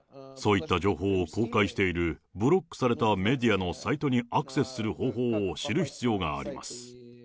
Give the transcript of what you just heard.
そういった情報を公開しているブロックされたメディアのサイトにアクセスする方法を知る必要があります。